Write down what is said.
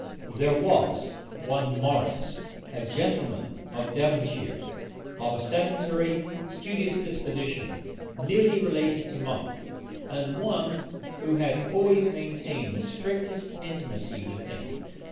There was one Morrice, a gentleman of Devonshire, of a sedentary, studious disposition, nearly related to Monk, and one who had always maintained the strictest intimacy with him.